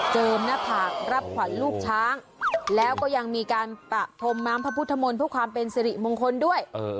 หน้าผากรับขวัญลูกช้างแล้วก็ยังมีการปะพรมน้ำพระพุทธมนต์เพื่อความเป็นสิริมงคลด้วย